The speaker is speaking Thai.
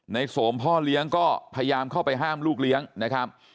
โสมพ่อเลี้ยงก็พยายามเข้าไปห้ามลูกเลี้ยงนะครับ